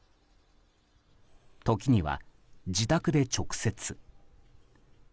時には自宅で直接。